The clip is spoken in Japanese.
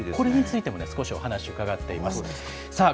これについても少しお話を伺っています。